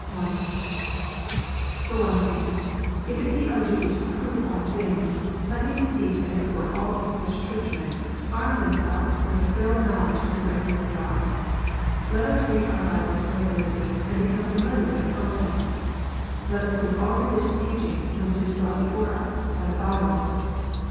(1) For one thing, if it be our duty to "prove all things," let me beseech and exhort all English Churchmen to arm them selves with a thorough knowledge of the written Word of God. Let us read our Bibles regularly, and become familiar with their contents. Let us prove all religious teaching, when it is brought before us, by the Bible.